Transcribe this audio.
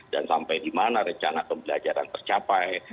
dan sampai di mana rencana pembelajaran tercapai